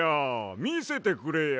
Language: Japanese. みせてくれや。